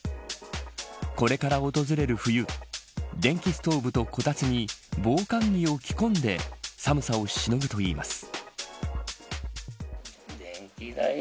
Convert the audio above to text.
これから訪れる冬電気ストーブとこたつに防寒着を着込んで寒さをしのぐといいます。